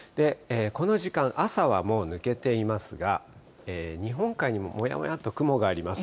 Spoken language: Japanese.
この時間、朝はもう抜けていますが、日本海にも、もやもやっと雲があります。